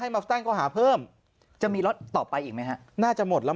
มาตั้งข้อหาเพิ่มจะมีล็อตต่อไปอีกไหมฮะน่าจะหมดแล้ว